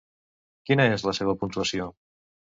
Quina és la seva puntuació?